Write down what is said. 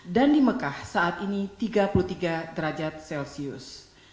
dan di mekah saat ini tiga puluh tiga derajat celcius